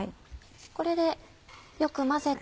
これでよく混ぜて。